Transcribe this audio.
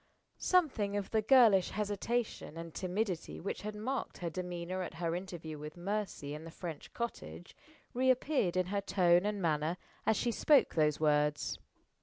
Something of the girlish hesitation and timidity which had marked her demeanor at her interview with Mercy in the French cottage re appeared in her tone and manner as she spoke those words.